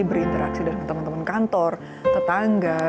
berinteraksi dengan teman teman kantor tetangga